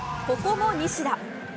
ここも西田。